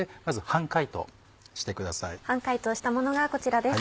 半解凍したものがこちらです。